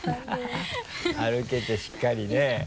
歩けてしっかりね。